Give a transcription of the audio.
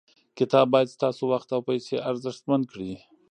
کتاب باید ستاسو وخت او پیسې ارزښتمن کړي.